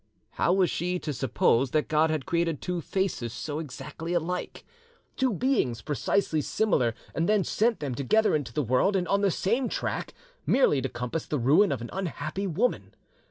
How was she to suppose that God had created two faces so exactly alike, two beings precisely similar, and then sent them together into the world, and on the same track, merely to compass the ruin of an unhappy woman!